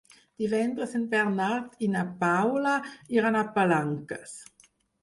Divendres en Bernat i na Paula iran a Palanques.